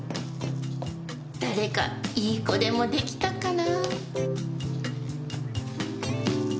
誰かいい子でも出来たかな？